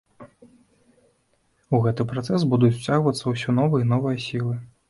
У гэты працэс будуць уцягваюцца ўсё новыя і новыя сілы.